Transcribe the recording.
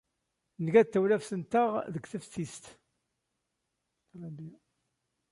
Nga-d tawlaft-nteɣ deg teftist.